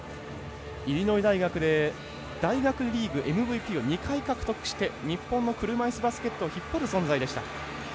イリノイ大学で大学リーグＭＶＰを２回、獲得して日本の車いすバスケットを引っ張る存在でした。